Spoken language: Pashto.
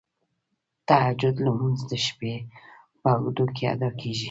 تهجد لمونځ د شپې په اوږدو کې ادا کیږی.